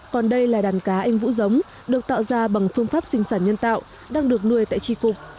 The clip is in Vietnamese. còn đây là đàn cá anh vũ giống được tạo ra bằng phương pháp sinh sản nhân tạo đang được nuôi tại tri cục